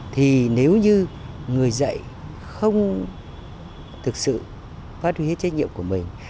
thì nếu như người dạy không thực sự phát huy hết trách nhiệm của mình